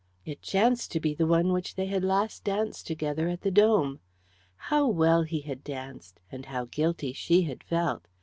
It chanced to be the one which they had last danced together at the Dome. How well he had danced, and how guilty she had felt!